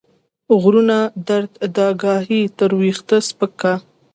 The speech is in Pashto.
غرونه درد داګاهي تر ويښته سپک کا